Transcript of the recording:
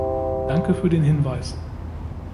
Danke für den Hinweis.